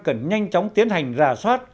cần nhanh chóng tiến hành rà soát